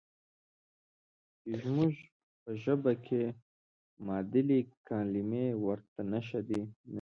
چې زموږ په ژبه کې معادلې کلمې ورته نشته.